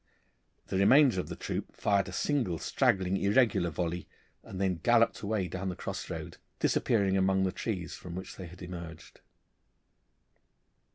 The remainder of the troop fired a single, straggling, irregular volley, and then galloped away down the cross road, disappearing amongst the trees from which they had emerged.